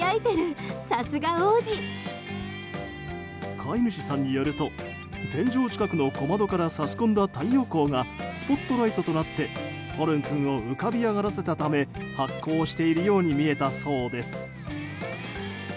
飼い主さんによると天井近くの小窓から差し込んだ太陽光がスポットライトとなってホルン君を浮かび上がらせたため発光しているように見えたそうです。